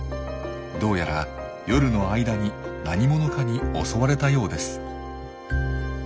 どうやら夜の間に何者かに襲われたようです。